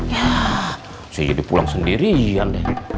ya saya hidup pulang sendirian deh